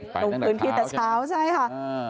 ไปตั้งแต่เช้าใช่ไหม